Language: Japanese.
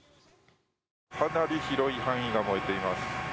かなり広い範囲が燃えています。